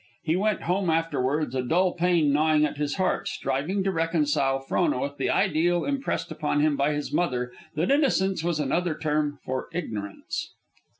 He went home afterwards, a dull pain gnawing at his heart, striving to reconcile Frona with the ideal impressed upon him by his mother that innocence was another term for ignorance.